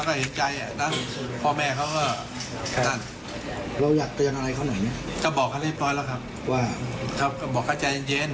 ค่ะคือทำไปแล้ว